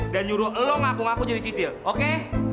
dan nyuruh elo ngaku ngaku jadi sisil oke